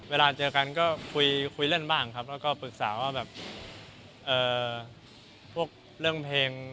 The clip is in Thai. เวลาเจอกันก็คุยคุยเล่นบ้างครับแล้วก็ปรึกษาว่าแบบพวกเรื่องเพลง